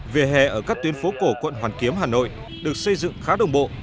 về hè ở các tuyến phố cổ quận hoàn kiếm hà nội được xây dựng khá đồng bộ